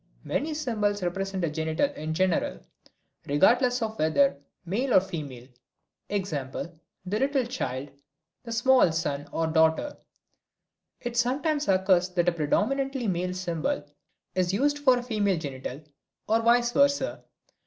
Many symbols represent a genital in general, regardless of whether male or female, e.g., the little child, the small son or daughter. It sometimes occurs that a predominantly male symbol is used for a female genital, or vice versa.